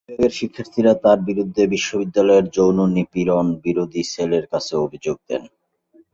বিভাগের শিক্ষার্থীরা তাঁর বিরুদ্ধে বিশ্ববিদ্যালয়ের যৌন নিপীড়ন-বিরোধী সেলের কাছে অভিযোগ দেন।